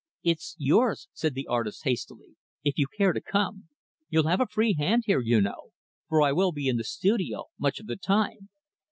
"It's yours" said the artist, hastily "if you care to come. You'll have a free hand here, you know; for I will be in the studio much of the time.